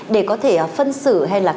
để có thể phân xử hay là